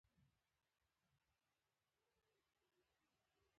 د مارګای کورنۍ د مالیې بلوا په پېښه کې لوړ مقام ته ورسېده.